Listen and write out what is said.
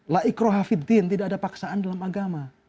lah ikrohafiddin tidak ada paksaan dalam agama